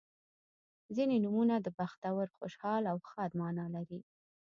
• ځینې نومونه د بختور، خوشحال او ښاد معنا لري.